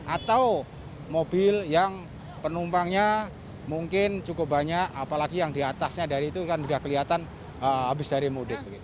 atau mobil yang penumpangnya mungkin cukup banyak apalagi yang diatasnya dari itu kan sudah kelihatan habis dari mudik